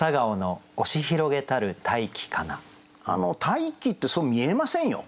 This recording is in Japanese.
大気ってそう見えませんよ。